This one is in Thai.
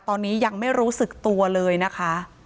ตอนนี้ยังไม่รู้สึกตัวเลยนะคะ